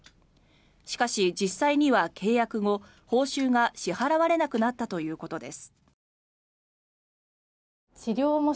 しかし、実際には契約後報酬が支払われなくなったということです。